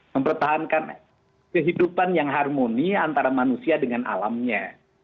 mempertahankan kehidupan yang harmoni antara manusia dengan alamnya